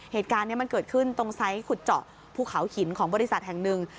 เหตุการณ์นี้มันเกิดขึ้นตรงไซส์ขุดเจาะภูเขาหินของบริษัทแห่งหนึ่ง